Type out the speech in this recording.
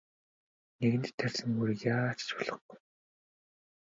Нэгэнт тарьсан үрийг яаж ч болохгүй.